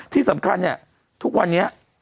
ที่สำคัญเนี่ยทุกวันนี้